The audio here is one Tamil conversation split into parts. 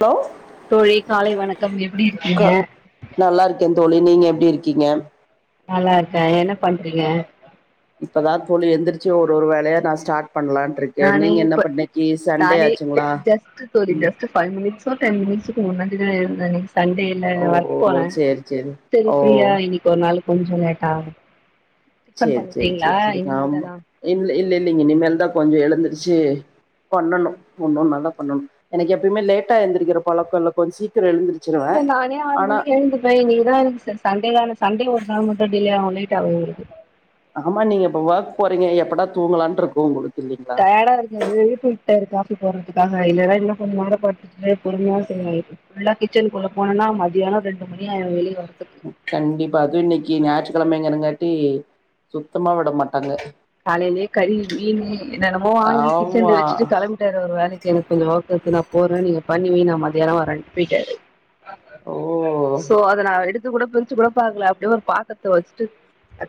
ஹலோ தோழி காலை வணக்கம் எப்டி க இருக்கீங்க நல்லாருக்கே தோழி நீங்க எப் டிருக்கீங்க நல்லாருக்கே என்ன பண்றீங்க இப்பதா தோழி எந்திரிச்சு ஒரு ஒரு வேலையா நா ஸ்டாட் பண்ணலான்ட்ருக்கே நானே நீங்க என்ன இப்ப பண் இன்னிக்கி சண்டே நானே ஆச்சுங்களா ம் டூ டென் மினிட்ஸுக்கு முன்னாடி தா எழுந்தேனே சண்டேல ஓ ஒர்க் ஓ போனே சேரி சேரி செரி ஓ ஃப்ரீயா இன்னைக்கு ஒரு நாளு கொஞ்சோ லேட்டாகூ செரி செரி செரி செரி ஆமா இல் இல்லல்லேங்க இனிமேல்தா கொஞ்சோ எழுந்து சே பண்ணணு ஒன்னு நல்லா பண்ணணு எனக்கு எப்பயுமே லேட்டா எந்திரிக்கிற பழக்கோ இல்ல கொஞ் சீ இல்ல நானே ஆறு மணிக்கு எழுந்துப்பே இன்னைக்கு தா சன் சண்டேதானே சண்டே ஒரு நாள் மட்டு டிலே ஆவுமே [unintelligible] ஆமா நீங்க இப்ப ஒர்க் போறீங்க எப்டா தூங்கலான்ட்ருக்கு உங்களு டயாடா இருக்காது [unintelligible] இருக்க து போறதுக்காக இல்லனா இன்னு கொஞ்சோ நேரொ படுத்துட்டு பொறுமையா செய்வே உள்ள கிச்சன் குள்ள போனனா மதியான ரெண்டு மணிய ஆயிரு வெளிய வ கண்டிப்பா அதுவு இன்னைக்கு ஞாய்ற்ரு கெழமேங்கங்காட்டி சுத்தமா விட மாட்டாங்க காலேலே கறி மீனு என்னனமோ வாங்கி கிச்சன்ல ஆமா வச்சுட்டு கெளம்பிட்டாரு அவரு வேலைக்கு எனக்கு கொஞ்சோ க்கு நா போறே நீங்க பண்ணி வெய் நா மதியான வரேன்டு போயிட்டாரு ஓ சோ அத நா எடு துகூட பிரிச்சு கூட பாக்ல அப்டியே ஒரு பாத்தருத்த வச்சுட்டு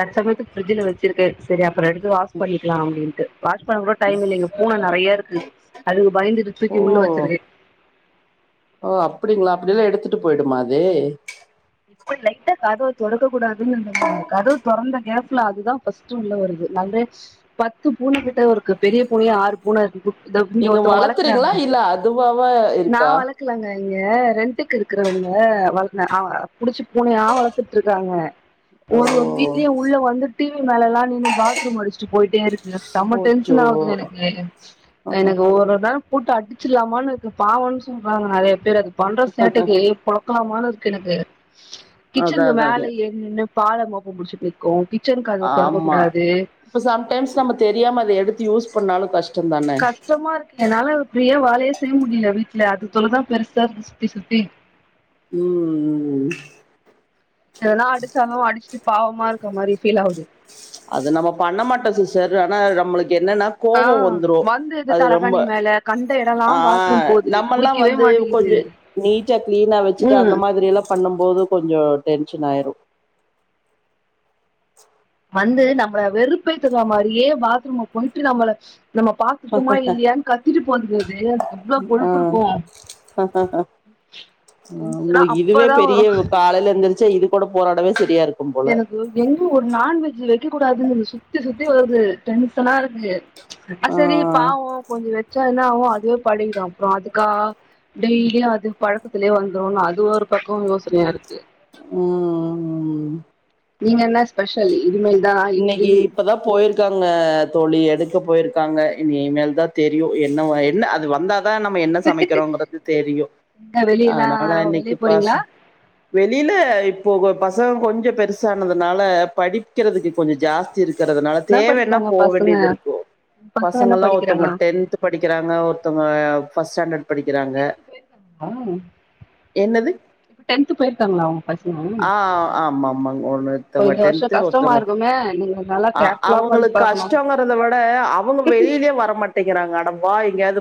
தர்சமையத்துக்கு பிர்ஜல வச்சிருக்கே செரி [unintelligible] து வாஷ் பண்ணிக்லா அப்டின் [unintelligible] வாஷ் பண்ண கூட டைம் இல்லேங்க பூன நெறையருக்கு அதுக்கு பயந்துட்டு தூக்கி ஓ உள்ள வச்சிருக்கே ஓ அப்டிங்ளா அப்டியெல்லா எடுத்துட்டு போயிடுமா அது இப்டி லைட்டா கதவு தொறக்க கூடா [unintelligible] அந்த கதவு தொறந்த கேப்புல அதுதா ஃபஸ்ட் உள்ள வருது [unintelligible] நெறைய பத்து பூனே கிட்டே வருது பெரிய பூனேயே ஆறு பூன இரு நீங்க வளத்துறீங்ளா இல்ல அதுவாவ இருக்கா நீங்க ரெண்ட்டுக்கு இருக்கறவங்க வளர்க [unintelligible] புடிச்சு பூனையா வளத்துட்ருக்காங்க ஒரு ஒரு ஓ வீட்லியு உள்ள வந்துட் டிவி மேலல்லா நின்னு பாத்ரூம் அடிச்சுட்டு போயிட்டேருக்கு எனக்கு செம்ம போச்சோ டென்ஷன் ஆவுது எனக்கு எனக்கு ஒரு ஒரு நேரொ போட்டு அடிச்சுலாமான்னுருக்கு பாவன்னு சொல்றாங்க நறைய பேர் அதுக்கு பண்ற சேட்டைக்கி [unintelligible] இருக்கு எனக்கு அதா கிச்சனுக் மேல் அதாங்க ஏறி நின்னு பால மொப்ப புடிச்சுட் நிக்கு கிச்சன் கதவு தொறக்க ஆமா கூடாது இப்ப சம்டைம்ஸ் நம்ம தெரியாம அத எடுத்து யூஸ் பண்ணாலு கஷ் கஷ்டமாருக்கு என்னால ஃப்ரீயா வேலயே செய்ய முடில வீட் இல்ல அது தொல்ல தா பெருசாருக்கு சுத்தி சுத்தி ம் ம் ம் இத்தல அடிச்சாலு அடிச்ச பாவமா இருக்கமாரி ஃபில் ஆகுது அது நம்ம பண்ண மாட்டோ சிஸ்டர் ஆனா நம்மளுக்கு என்னன்னா ஆ கோபம் வந்துரு வந்துது அது ரொம்ப தலகாணி மேல கண்ட எடல்லா பாத்ரூம் ஆஹ போது நம்மெல்லா புடிக்கவே வந்து மாட்டேங்குது கொஞ்சோ நீட்ட கிளீனா வெச்சுட்டு ம் அந்த மாதிர எல்லா பண்ணும் போது கொஞ்சோ டென் டென்ஷன் ஆயிரு வந்து நம்மள வெறுப்போத்துர மாதிரியே பாத்ரூம் போயிட்டு நம்மள நம்ம பாத்துட்டுமா இல்லியான்னு கத்திட்டு போற்து ச [unintelligible] ஹ டென்ஷனா நம்புலுக் இதுவே அப்பதா பெரிய வரு காலையில எந்திரிச்சா இருக் போடு போராடவே சரியா இருக்கும் போல எனக்கு எங்கு ஒரு நான்வெஜ் கக்க கூடாதுன்னு சுத்தி சுத்தி வருது டென்சனா இருக்கு அ ஆ செரி பாவோ கொஞ்சோ வெச்சா என்னா அஒ அதுவே பழக்கிட அப்புறம் அதுக்கா டெய்லியு அது பழக்கத்திலயேந்துருனு அது ஒரு பக்கம் யோசனையா இருக்கு உஹம் உம் நீங்க என்ன ஸ்பெஷலி இன்னிக்கி இப்பதா போயிருக் இருக்காங்க தோழி எடுக்க போயிருக்காங்க இனி மேல் தா தெரியு என்ன என்ன அது வந்தா இப்ப நம்ம என்ன சமைக்கிறோங்கிறது தெரியு எங்க வெளியல்லா அதனால வெளிய இன்னிக்கு போறீங்களா பாஸ் வெளியில இப்ப பசங்க கொஞ்சோ பெருசானதுனால படிக்கிறதுக்கு கொஞ்சோ ஜாஸ்தி இருக் இருக்கறதுனால என்ன தேவன்னா படிக்கிறாங்க போ பசங்க வேண்டிது இருக்கு பசங்க என்ன பசங்கல்லா ஒருத்தவங்க படிக்கிறாங்க டென்த் படிக்கிறாங்க ஒருத்தவங்க ஃபஸ்ட் ஸ்டாண்டட் என்னது டென்த்து போய்ருக்காங்களா உங்க பசங்க ஆ ஆமா ஆமாங்க அப்ப இந்த வருஷ கஷ்டமா இருக்குமே நீங்க நல்லா அஹ் கேர்ஃபுல்லா உக்காந்து அவங்களுக்கு பாக்கணும் கஷ்டங் வறத விட அவங்க வெளிலயே வர மாட் ட்டேகறாங்க அட வா எங்கயாது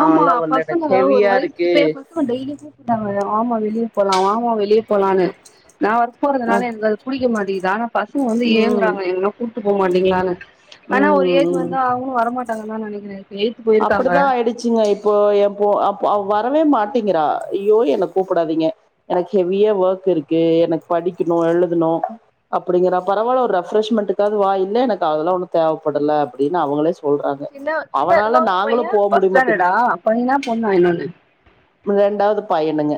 ஆமா பசங்க ஒ ஒரு வயசுக்கு இருக்கு இப்ப என் பசங்க டெய்லியு கூப்பிட்டாங்க ஆமா வெளிய போலா வா மா வெளிய போலான்னு நா ஒர்க் அ, போறதுனால எனக்கு அது புடிக்க மாட்டேகுது ஆனா பசங்க வந்து ம் ஏங்குறாங்க எங்கனா போ மாட்டீங்களானு ஆனா ஒரு ம் ஏஜ் வந்தா அவங்களு வரமாட் டங்கனுதா நெனக்கிறே அப்டித்தா ஆயிடுச்சுங்க இப் இப்போ என் பொ வரவே மாட்டேங்கிரா ஐயோ என்ன கூப்படாதீங்க எனக்கு ஹெவியா வோர்க் இருக்கு எனக்கு படிக்கணு எழுதணு அப்டிங்கறா பரவால்ல ஒரு ரெஃப்ரெஷ்மெண்ட்டக்காவது வா இல்ல எனக்கு அதெல்லா ஒன்னு தேவப்படல அப்டின்னு அவங்களே சொ சொல்றாங்க சின்ன சின்ன அவன் இன்னொரு பையே ஃபர்ஸ்ட் ஸ்டாண்டர்டா பையனா பொண்ணா இன்னொன்னு ரெண்டாவது பையனுங்க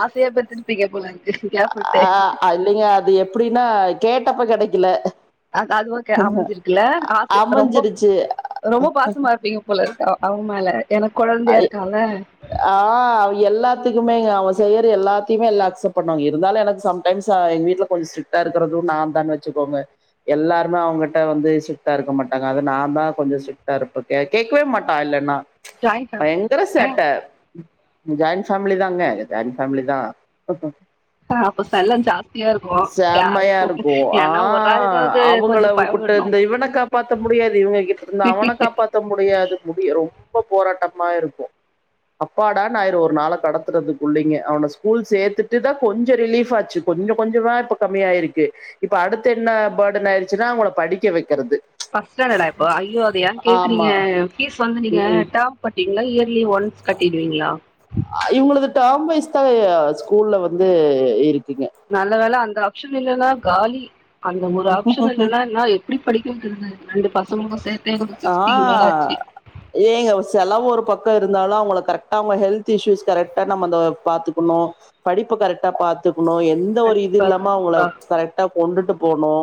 ஆசையா பெ த்துரிப்பீங்க போல இருக்கு கேப் விட்டு அஹ் அது இல்லிங்க அது எப்டின்னா கேட்டப்ப கெடைக் இல்ல அ அது ஓகே அமஞ்சிருக்குல ஆச ரொம்ப அமைஞ்சிருச்சு ரொம்ப பாசமா இருப்பீங்க போலருக்கு அவுங்க மேல எனக்கு அ கொழந்தையா இருக்கால ஆஹ் எல்லாத்துக்கு குமே அவன் செய்யற எல்லாத்தையுமே எல்லா அக்செப்ட் பண்ணுவாங்க இருந்தாலு எனக்கு சம்டைம்ஸ் எங்க வீட்ல கொஞ்சோ ஸ்டரிக்டா இருக்கிறது நா தா வெச்சுக்கோங்க எல்லாருமே அவ கிட்ட வந்து ஸ்ரிக்டா இருக்க மாட்டாங்க அது நா தா கொஞ்சோ ஸ்டரிக்டா இருப்ப கே கேக்கவே மாட்டா இல்லன்னா ஜாயின் ஃபேமிலில பயங்கர சேட்ட ஜாயிண்ட் ஃபேமிலி தாங்க ஜாயிண்ட் ஃபேமிலி தா அப்ப செல்ல ஜாஸ்தியா இருக்கு யார் செம்மையாருக்கு ஏன்னா ஒரு ஆஹ் ஆளுக்காவது கொஞ்சோ பயவிடணு அவங்களக்குப்புட்டுருந்து இவன காப்பாத்த முடியாது இவ் இவுங்க அவன காப்பாத்த முடியாது முடியு ரொம்ப போராட்டம் மாருக்கு அப்பாடானாயிரு ஒரு நாள கடத்துறதுகுள்ளிங்க அவன ஸ்கூல் சேத்துட்டு தா கொஞ்சோ ரிலீஃபாச்சு கொஞ்சோ கொஞ்சமா இப்ப கம்மியாயிருக்கு இப்ப அடுத்த என்ன பர்டன் ஆய்டுச்சுன்னா அவுங்கள படிக்க வெக்கறது பஸ்ட் ஸ்டாண்டர்டா இப்போ அயோ அத ஏன் ஆமா. கேக்குறீங் பீஸ் வந்து நீங்க ம். டேர்ம் கட்டி இல்ல இயர்லி ஒன்ஸ் கட்டிடுவீங்களா அ இவுங்கலுது டேர்ம் வைஸ் தா அ ஸ்கூல்ல வந்து இருக் நல்ல வேள அந்த ச்சன் இல்லேனா காலி அந்த ஒரு ஆப்ஷன் இல்லேனா இன்னார எப்புடி படிக்க வைக்கறது ஆஹ் ஆச்சு ஏங்க செலவு ஒரு பக் கூட இருந்தாலு அவுங்கள கரெக்ட அவுங்க ஹெல்த் இஸ்யூஸ் கரெக்ட நம்ம அந்த பாத்துக்குணு படிப்பு கரெக்ட பாத்துக் குனு எந்த ஒரு இது கண்டிப்பா இல்லாம அவங்கள கண்டிப்பா கரெக்டா கொண்டுட்டு போனு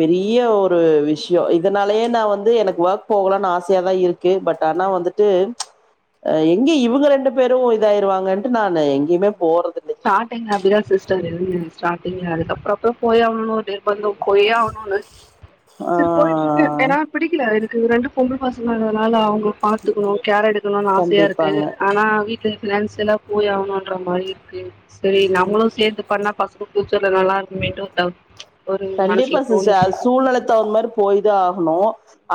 பெரிய ஒரு விஷயோ இதனா லயே நா வந்து எனக்கு ஒர்க் போகலானு ஆசையா தா இருக் கு பட் ஆனா வந்துட்டு எங்க இவுங்க ரெண்டு பேரு இதாயிருவாங்கன்டு ஸ்டாட்டிங்ல அப்டிதா சிஸ்டர் இருக் ம் ஸ்டாட்டிங் ல அதுக்கப்பறோ அப்பறோ போய் [unintelligible] வந்தோம் போய்யே ஆகணும்னு ஆ செரி போயிட்டு இருக்கே ஏன்னா பிடிக்கல இது ரெண்டு பொம்புள பசங்கன்றதுனாலே அவ் பத்துக்கணு கேர் எடுக்கணும்ணு ஆசையா இருக்கு கண்டிப்பாங்க ஆனா வீட்டுலயு ஜெண்ஸ்டல்லா போய் ஆகனு ற மாரி இருக்கு செரி நம்மளு சேத்து பண்ண பசங்க பியூச்சர்ல நல்லா இருக்குமேட்டு ஒருதவ கண்டிப்பா சிஸ்டர் அது சூழ்நிலைத்த அவர் மாரி போய்தா ஆகணு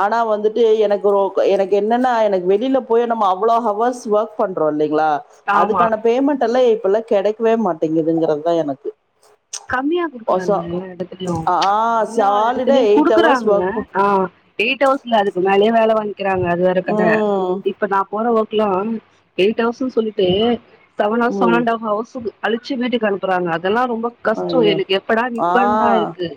ஆனா வந்துட்டு எனக்கு ரொம் எனக்கு என்னன்னா எனக்கு வெளியில போய் நம்ம அவ்வளோ ஹவர்ஸ் ஒர்க் பண்றோ இல்லங் ங்களா ஆமா அதுக்கான பேமெண்ட் எல்லா இப்பெல்லா கெடைக்கவே மாட்டேங்குதுங்கறதுதா எனக்கு கம்மியா ஒசோ குடுக்குறாருங்க எல்லா எடத் திலயு ஆ எல்லா சாலிடா இடத்துலயு எயிட் ஹவர்ஸ் குடுக்குறாங்கங்க ஒர்க் ஆஹ் எயிட் ஹவர்ஸ்லே அதுக்கு மேலே வே களவாணி கிறாங்க அதுவேர கதை ம் இப்ப நா போற ஓக் கிலா எயிட் அவர்ஸ்சுன் சொல்லிட்டு தவனை ம் சேவன்ட்டுஹவர் ஹவர்சுக்கு அழிச்சு வீட்டுக்கு அனுப்புறாங்க அதெல்லா ரொம்ப கஷ்ட ஐயோ எனக்கு எப்படா ஆ நி்ப்பதா இருக்கு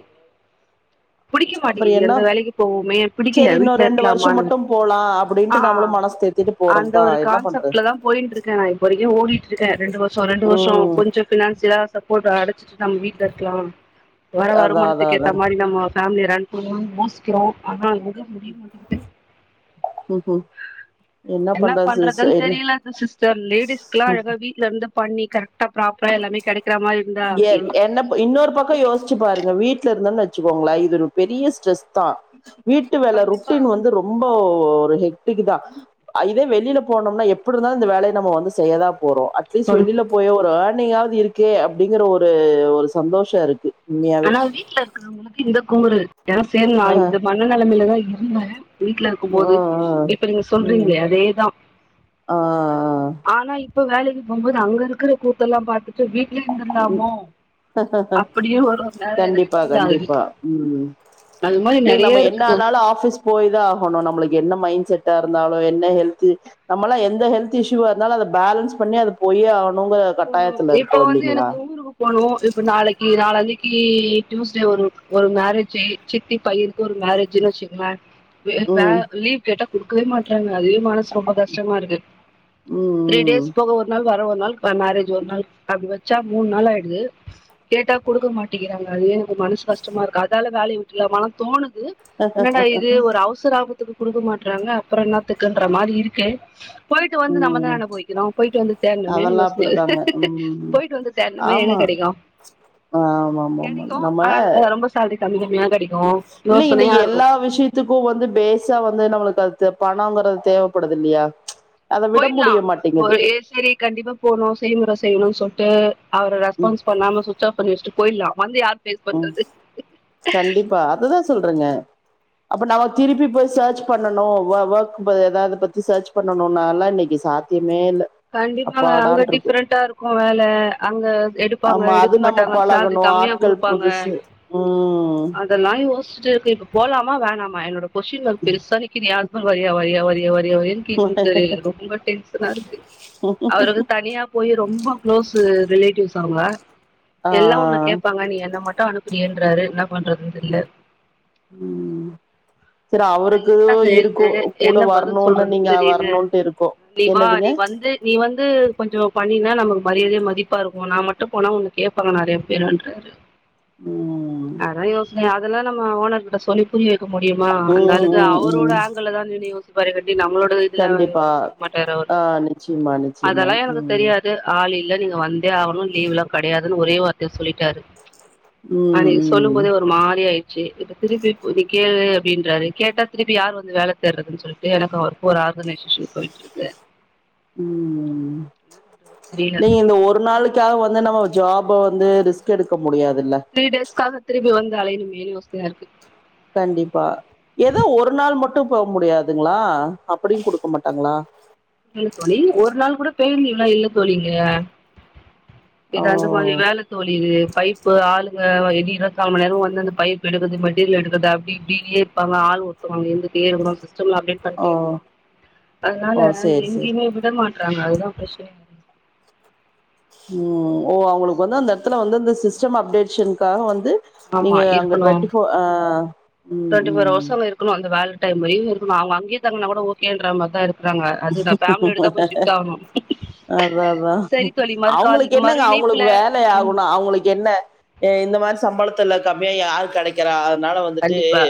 புடிக்க அப்புற மாட்டிங்குது என்ன எந்த வேலைக்கு போவோமே பிடிக்கல சரி இன்னு வீட்டுல ரெண்டு வருஷ இருக்கலாமான்னு மட்டு இருக் போலா அப்டின்ட்டு நம்மளு ஆஹ் மனசு தேத்திட்டு அந்த போறதுதா ஒரு என்ன பண்றது கான்செப்ட்லதா போய்ட்டு இருக்கே நா இப்போ வரைக்கு ஓடிட்டு இருக்கே ரெண்டு வருஷ ரெண்டு வருஷ ம் கொஞ்ச பினான்சியலா சப்போட் அடச்சு நம்ம வீட்டு்ல இருக்கலா வர அதா அதா வருமானத்துக்கு அதா ஏத்த மாரி நம்ம பேமிலிய ரன் பண்ணணு யோசிக்கிறோ [unintelligible] முடியுமாட்டேங்குது ம் ம் என்ன பண்றது பண்றதுன்னு சிஸ்டர் என்ன தெரியல சிஸ்டர் லேடிஸ்க்லா அழகா வீட்லருந்து பண்ணி கரெக்டா ப்ராப்பரா எல்லாமே கெடைக் என என்ன இன்னொரு பக்கம் யோசிச்சு பாருங்க வீட்ல இருந்தன்னுச் ச்சுக்கோங்களே இது ஒரு பெரிய ஸ்ட்ரெஸ் த்தா வீட்டு வேலை கண்டிப்பா ருட்டீன் வந்து ரொம்ப ஒரு இருக்குதா இதே வெளியில போனோம்னா எப்படி தா இந்த வேலய நம்ம வந்து செய்யதா போறோம் அட்லீஸ்ட் வரு வெளிய போயோ ஒரு ஆட் நீயாவது இருக்கே அப்டிங்கற ஒரு ஒரு சந்தோஷ இருக்கு உண்மையாவே ஆனா வீட்டுல இருக்கறவங்களுக்கு இந்த குமுறு ஏன்னா சேரி நா ஆ இந்த மன நெலமையிலதா இருந்தாரு வீட்டுல ஆ ஆ இருக்கும்போது இப்ப நீங்க ம் சொல்றீங்களே அதேதா ஆ ஆனா இப்ப வேலைக்கி போம்போது அங்க இருக்குற கூத்தெல்லா பாத்துட்டு வீட் உம் அப்டியே ஒரு ஒரு நேரோ எனக்கு கண்டிப்பா ஃபீல் ஆகுது கண்டிப்பா ம் அது மாரி இல்லங் நம்ம நெறைய என்ன இருக்குது ஆனாலு ஆஃபிஸ் போய்தா ஆகணு நம்மளுக்கு என்ன மை மயின் செட்டா இருந்தாலு என்ன ஹெல்த் நம்மலா எந்த ஹெல்த் இஸ்யூ ஆ இருந்தாலு அத பேலன்ஸ் பண்ணி அது போயே ஆவனு ங்க போனும் கட்டாயத்துல இருக்கோ இப்ப வந்து இன்னிக் எனக்கு ஊருக்கு போனும் இப்ப நாளைக்கி நாள அன்னைக்கி டியூஸ்டே ஒரு ஒரு மேரேஜ்ஜு சித்தி பையனுக்கு ஒரு மேரேஜுன்னு வச்சுங்களே வே வா ம் லீவ் கேட்டா குடுக்கவே மாட்ராங்க அது மனசு ரொம்ப கஷ்டமா இருக்கு த்ரீ ம் ம் டேஸ் போக ஒரு நாள் வேர ஒரு நாள் மேரேஜ் ஒரு நாள் அப்டி வச்சா மூணு நாள் ஆயிடுது கேட்டா குடுக்க மாட்டேங்கிறாங்க ஏனு மனசு கஷ்டமா இருக்கு அதால வேலய வுட் இல்ல மன தோணு து என்னடா இது ஒரு அவசர ஆவுது க்கு குடுக்க மாட்டறாங்க அப்றோ என்னாத்துக்குன்ற மாரி இருக்கு போயிட்டு வந்து ம் நம்மதான அனுபவிக்கணும் போயிட்டு வந்து தேரணுமே அதெல்லா யோஸ் அப்டிதாங்க ம் போயிட்டு வந்து தேடனுமே எங்க ஆமா கெடைக்கு ஆமா ஆமா ஆமா கெடைக்கு நம்ம ஆனால் ரொம்ப சால் [unintelligible] கெடைய்க் இல்ல இல்ல எல்லா விஷயத்துக்கும் வந்து பேஸா வந்து நம்மளுக்கு அது த பணங்குறது தேவப்படுது இல்லையா அத விட போய்டலா முடிய மாட்டேங்குது போயி செரி கண்டிப்பா போணு செய்முற செய்யணு தொட்டு. அவர ம் ரெஸ்பான்ஸ் பண்ணாம சுவிச் ஆப் பண்ணிவச்ட்டு. போயிலா வந்து யார் ஃபேஸ் உம் பண்றது கண்டிப்பா அததா சொல்றங்க. அப்ப நாம திருப்பி போய் ஃசேச் பண்ணனு. ஓ ஓர்க் எதாது பத்தி ஃசேச் பண்ணனுனாலா இன்னைக்கி சாத்திய கண்டிப்பா அங்க டிஃப்ரெண்டா இருக்கும் வேல அங்க எடுப்பாங்க ஆமா அது எடுக்க நம்ம மாட்டாங்க சேலரி பழகணு கம்மியா ஆட்கள் கொடுப்பாங்க புதுசு உம் ஸ்டு இருக்கு இப்ப போலாமா வேணாமா என்னோட கொட்ஷின் இருக்கு பெருசா நிக்கிதுயா ஃஹஸ்பன்ட் வரியா வரியா வரியா வரியானு கேட்னுருக்காரு ரொம்ப டென்ஷனா இருக்கு அவருக்கு தனியா போயி ரொம்ப க்ளோஸு ரிலேட்டிவ்ஸ் அவுங்க ஆ எல்லா ஒண்ண கேப்பாங்க நீ என்ன மட் டு அனுப்புறியான்றாரு என்னா உம் உம் அதான் என்ன செய்யறது என்ன பதில் வரணுன்னு சொல்றதுன்னு நீங்க தெரில வரணுன்ட்டு இருக்கு. நீ வா நீ என்னதுங்க? வந்து நீ வந்து கொஞ்சோ பண்ணினா நம மரியாதையா மதிப்பா இருக்கும் நான் மட்டும் போனா உன்ன கேப்பாங்க நெறையா பேருன்றாரு ம் அதா யோசி நீ அதல்லாம் நம்ம ஓனர்க்கிட்ட சொல்லி புரிய வைக்க முடியுமா அந்த ம் ஆளுக்கு ம் அவரோட ம் ஆங்கிள் தான் நின்னு யோசி ப்பாரு டி நம்மளோட இதுல கண்டிப்பா. யோசிக்க மாட்டாரு அவரு ஆ நிச்சயமா நிச்சயமா. அதெல்லா எனக்கு ம் தெரியாது ஆலில் இல்ல நீங்க வந்தே ஆவனு லீவெல்லா கெடையாதுன்னு ஒரே வார்த்தையில சொல்லிட்டாரு அன்னிக்கு சொல்லும் ம் போதே ஒரு மாரி ஆயி செரி இப்ப திருப்பி இப்போதிக்கு அப்டின்றாரு. கேட்டா திருப்பி யார் வந்து வேல தேட்றதுன்னு சொல்லிட்டு எனக்கு அவருக்கு ஒரு ஆர்கனைசேஷன் போயிட் உம் உம் என்ன பண்றது தெரியல நீ இந்த ஒரு நா அவளுக்காக வந்து நம்ம ஜாப் வந்து ரிஸ்க் எடுக்க முடியாதுல்ல தீரி டேஸ் காக திரும்பி வந் து அலையனுமேனு யோசனையா இருக்கு கண்டிப்பா ஏதோ ஒரு நாள் மட்டும் போக முடியாதுங்களா அப்டியும் குடுக்க மாட்டாங்களா இல்ல தோழி ஒரு நாள் கூட பேய் லீவுலாம் இல்ல தோழி இங்க ஓ இது அந்த மாரி வேல தோழி இது பைப்பு ஆளுங்க எப்டி இருபத் நாலு மணி நேரமு வந்து அந்த பைப் எடுக்குறது மெட்டீரியல் எடுக்குறது அப்டி இப்டினே இருப்பாங்க ஆள் ஒருத்தவுங்க இருந்துட்டே இருக்கணும் சிஸ் சிஸ்டம்ல அப்டேட் ஓ பண்ட்டே இருக்குணும் அதுனால ஓ சேரி சேரி எங்கயுமே விட மாட்டா டாங்க அது தான் பிரச்சனயே உம் ஓ அவுங்களுக்கு வந்து அந்த இடத்துல வந்து அந்த சிஸ்டம் அப்டேட்ஷனுக்காக வந்து ஆமா நீங்க அங்க இருக்கணு டுவெண்டி போர் ஆஹ் உம் டுவெண்ட்டி ஃபோர் உம் ஹவர்ஸ் அங்க இருக்கணு அந்த வேல டைம் வரையும் இருக்கணும் அவுங்க அங்கயே தங்குனா கூட ஓகேன்ற மாரி தான் இருக்கு அதான் அதான் சரி தோழி மறுகால் அவுங்களுக்கு மறு என்னங்க இணைப்புல அவுங்களுக்கு வேலை ம் ஆகணும் அவுங்களுக்கு என்ன அஹ் இந்த மாரி சம்பளத்துல கம்மியா யாரு கெடைக்கிறா அதுனால வந்துட்டு கண்டிப்பா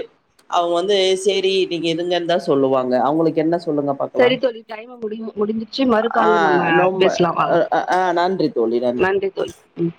அவுங்க வந்து சேரி நீங்க இருங்கன்னு தான் சொல்லுவாங்க அவங்களுக்கு என்ன சொல்லுங்க சரி பாக்கலாம் தோழி டைமு முடி முடிஞ்சுற்ச்சு மறு கால்ல நம்ம ரொம்ப பேசலாம் வாங்க ஆ நன்றி தோழி நன்றி தோழி உம்